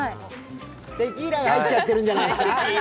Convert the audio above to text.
テキーラが入っちゃってるんじゃないですか？